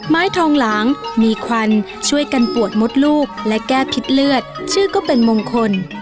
ไม้ทองหลางมีควันช่วยกันปวดมดลูกและแก้พิษเลือดชื่อก็เป็นมงคล